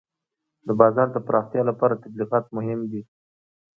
د بازار د پراختیا لپاره تبلیغات مهم دي.